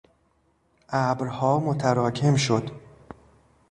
ابرها متراکم شد.